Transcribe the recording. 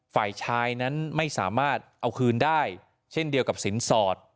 ฝ่ายชายนั้นไม่สามารถเอาคืนได้เช่นเดียวกับสินสอด